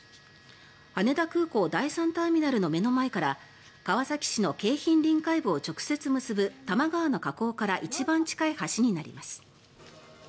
羽田空港第３ターミナルの目の前から川崎市の京浜臨海部を直接結ぶ多摩川の河口から一番近い橋になります。